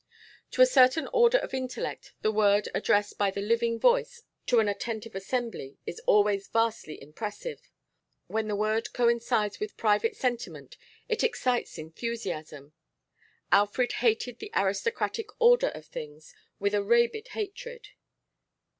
To a certain order of intellect the word addressed by the living voice to an attentive assembly is always vastly impressive; when the word coincides with private sentiment it excites enthusiasm. Alfred hated the aristocratic order of things with a rabid hatred.